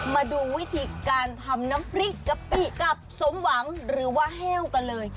มาดูวิธีการทำน้ำพริกกะปิกับสมหวังหรือว่าแห้วกันเลย